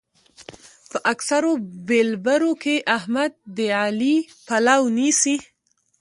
په اکثرو بېلبرو کې احمد د علي پلو نيسي.